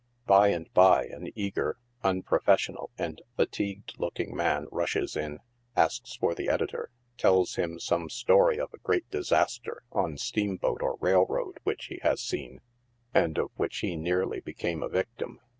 By and by an eager, unprofessional and fatigued looking man rushes in, asks for the editor, tells him some story of a great disaster en steamboat or railroad which he has seen, and of which he nearly became a victim.